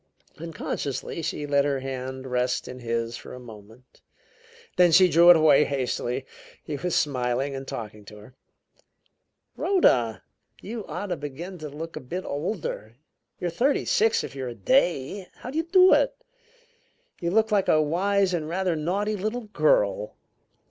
Unconsciously she let her hand rest in his for a moment, then she drew it away hastily. He was smiling and talking to her. "Rhoda! You ought to begin to look a bit older! You're thirty six, if you're a day! How do you do it? You look like a wise and rather naughty little girl."